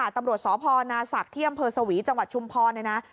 ตำรวจสพนาศักดิ์เที่ยมเปอร์สวีจังหวัดชุมพล